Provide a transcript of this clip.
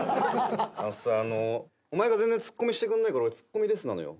あのさお前が全然ツッコミしてくんないから俺ツッコミレスなのよ。